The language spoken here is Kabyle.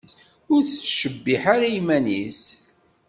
Ur tettcebbiḥ ara iman-is.